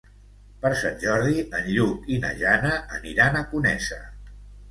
Per Sant Jordi en Lluc i na Jana aniran a Conesa.